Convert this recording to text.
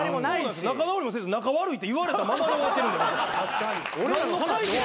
仲直りもせず仲悪いって言われたままで終わってるんで。